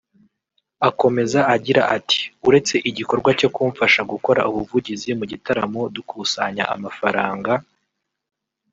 Akomeza agira ati “ Uretse igikorwa cyo kumfasha gukora ubuvugizi mu gitaramo dukusanya amafaranga